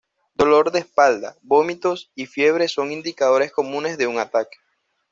Dolor de espalda, vómitos y fiebre son indicadores comunes de un ataque.